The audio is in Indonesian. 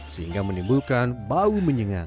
sehingga menimbulkan bau menyengat